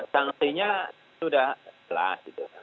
sanksinya sudah jelas